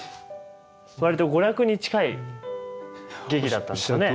わりと娯楽に近い劇だったんですね。